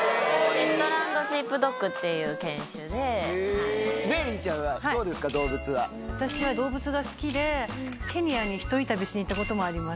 シェットランド・シープドッメアリーちゃんはどうですか、私は動物が好きで、ケニアに一人旅しに行ったこともあります。